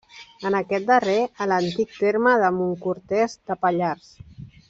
En aquest darrer, a l'antic terme de Montcortès de Pallars.